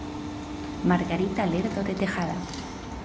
Margarita Lerdo de Tejada.